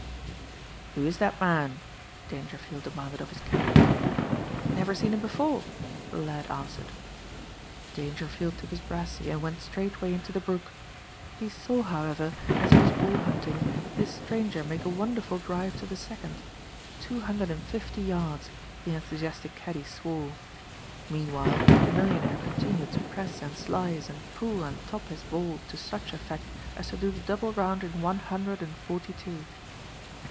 "Who is that man?" Dangerfield demanded of his caddie. "Never seen him before," the lad answered. Dangerfield took his brassey and went straightway into the brook. He saw, however, as he was ball hunting, this stranger make a wonderful drive to the second two hundred and fifty yards, the enthusiastic caddie swore. Meanwhile the millionaire continued to press and slice and pull and top his ball to such effect as to do the double round in one hundred and forty two.